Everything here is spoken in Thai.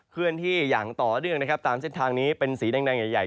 เคลื่อนที่อย่างต่อเนื่องนะครับตามเส้นทางนี้เป็นสีแดงใหญ่